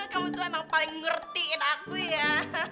kamu tuh emang paling ngertiin aku ya